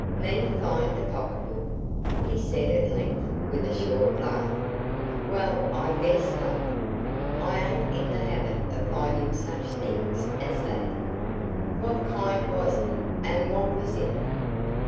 "Me find a pocketbook?" he said at length with a short laugh. "Well, I guess not. I ain't in the habit of findin' such things as that. What kind was it, and what was in it?"